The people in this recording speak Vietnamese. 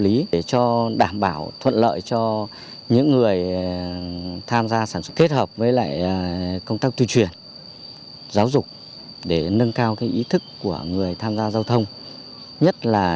yên bái xác định